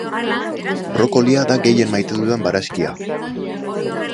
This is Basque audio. Brokolia da gehien maite dudan barazkia